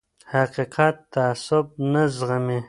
حقیقت تعصب نه زغمي